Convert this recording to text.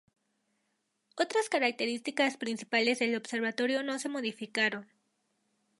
Otras características principales del observatorio no se modificaron.